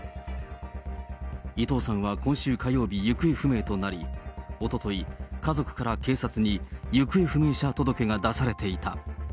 伊藤さんは今週火曜日、行方不明となり、おととい、家族から警察に行方不明者届が出されていた。